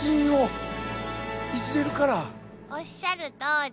おっしゃるとおり。